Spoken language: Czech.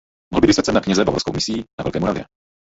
Mohl být vysvěcen na kněze bavorskou misií na Velké Moravě.